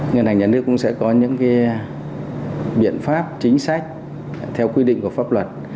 ngân hàng nhà nước cũng sẽ có những biện pháp chính sách theo quy định của pháp luật